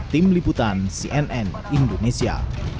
tim liputan cnn indonesia